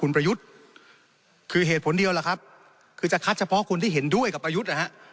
คุณประยุทธ์คือเหตุผลเดียวล่ะครับคือจะคัดเฉพาะคนที่เห็นด้วยกับประยุทธ์นะฮะ